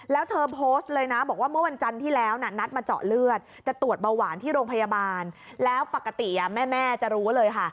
แล้วมือวันจันทร์ที่แล้วนัดมาเจาะเลือดจะตรวจเบาหวานที่โรงพยาบาลแล้วปกติแม่จะรู้เลยค่ะ